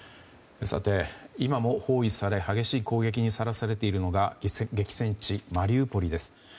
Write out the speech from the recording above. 今も包囲され激しい攻撃にさらされているのが激戦地マリウポリです。